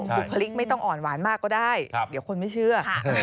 บุคลิกไม่ต้องอ่อนหวานมากก็ได้เดี๋ยวคนไม่เชื่อ